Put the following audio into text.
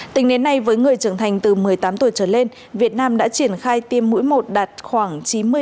tình nến này với người trưởng thành từ một mươi tám tuổi trở lên việt nam đã triển khai tiêm mũi một đạt khoảng chín mươi bảy